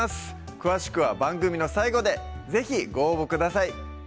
詳しくは番組の最後で是非ご応募ください